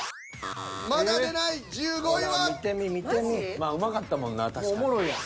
まあうまかったもんな確かに。